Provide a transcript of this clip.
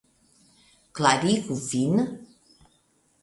Klarigu vin.